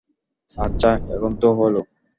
আচ্ছা, এখন তো হলো।